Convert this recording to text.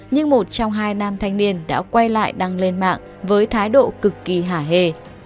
nhưng một trong hai nam thanh niên đã quay lại đăng lên mạng với thái độ cực kỳ hạ hê